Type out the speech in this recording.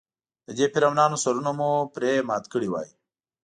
د دې فرعونانو سرونه مو پرې مات کړي وای.